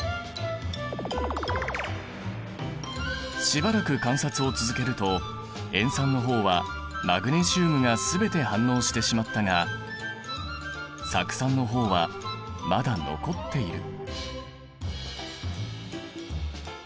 しばらく観察を続けると塩酸の方はマグネシウムが全て反応してしまったが酢酸の方はまだ残っている。